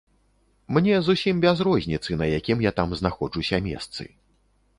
Мне зусім без розніцы, на якім я там знаходжуся месцы.